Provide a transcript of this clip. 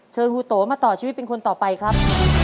ฮูโตมาต่อชีวิตเป็นคนต่อไปครับ